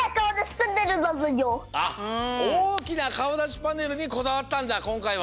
あっおおきなかおだしパネルにこだわったんだこんかいは。